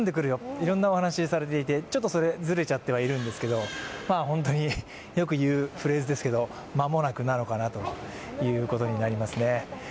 いろんなお話をされていて、ちょっとずれちゃってはいるんですが本当によく言う、フレーズですけれども、間もなくなのかなということになりますね。